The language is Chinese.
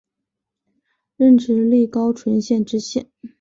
任直隶高淳县知县。